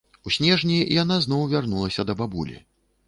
У снежні яна зноў вярнулася да бабулі.